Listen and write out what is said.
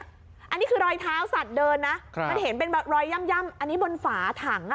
อันนี้คือรอยเท้าสัตว์เดินนะมันเห็นเป็นแบบรอยย่ำอันนี้บนฝาถังอ่ะ